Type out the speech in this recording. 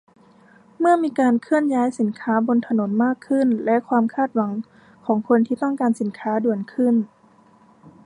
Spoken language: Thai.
เมื่อมีการเคลื่อนย้ายสินค้าบนถนนมากขึ้น และความคาดหวังของคนที่ต้องการสินค้าด่วนขึ้น